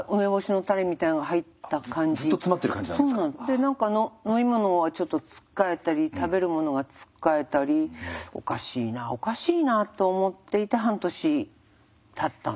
で何か飲み物をちょっとつっかえたり食べるものがつっかえたりおかしいなおかしいなと思っていて半年たったんですね。